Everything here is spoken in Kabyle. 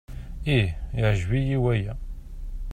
Ih, yeɛjeb-iyi waya.